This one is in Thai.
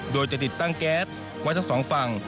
โดยจะติดตั้งแก๊สไว้ทั้งสองฝั่ง